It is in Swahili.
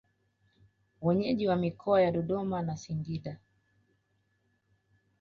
Wenyeji wa mikoa ya Dodoma na Singida